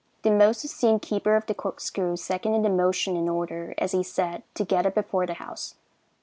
The Most Esteemed Keeper of the Cork screw seconded the motion, in order, as he said, to get it before the house.